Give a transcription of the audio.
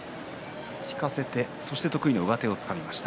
引かせてそのあと得意の上手を使いました。